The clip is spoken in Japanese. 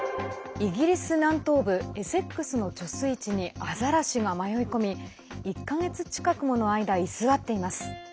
イギリス南東部エセックスの貯水池にアザラシが迷い込み１か月近くもの間居座っています。